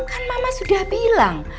kan mama sudah bilang